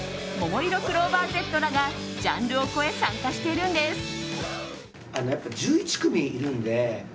ももいろクローバーＺらがジャンルを超え参加しているんです。